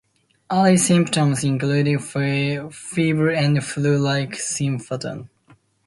Early symptoms include fever and flu-like symptoms.